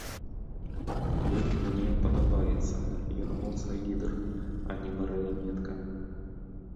Ён мне падабаецца, ён моцны лідэр, а не марыянетка.